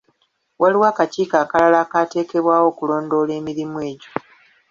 Waliwo akakiiko akalala ateekebwawo okulondoola emirimu egyo.